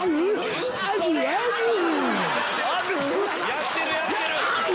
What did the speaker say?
やってるやってる！